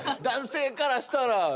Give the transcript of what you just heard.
男性からしたら。